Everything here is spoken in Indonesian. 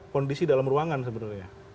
kondisi dalam ruangan sebenarnya